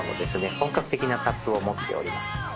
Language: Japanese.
本格的なタップを持っております。